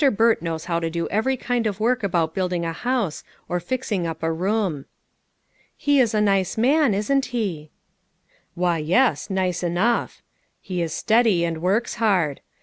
Burt knows how to do every kind of work about building a house, or fixing up a room." " He is a nice man, isn't he ?"" Why, yes, nice enough ; he is steady and works hard. Mr.